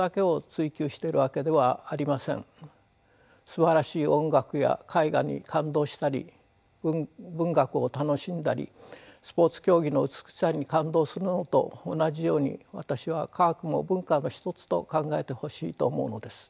すばらしい音楽や絵画に感動したり文学を楽しんだりスポーツ競技の美しさに感動するのと同じように私は科学も文化の一つと考えてほしいと思うのです。